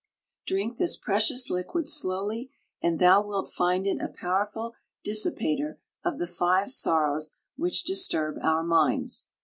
Drink this precious liquid slowly and thou wilt find it a powerful dissipator of the five sorrows which disturb our minds.